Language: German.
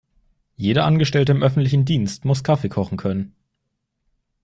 Jeder Angestellte im öffentlichen Dienst muss Kaffee kochen können.